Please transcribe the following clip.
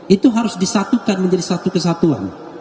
itu harus disatukan menjadi satu kesatuan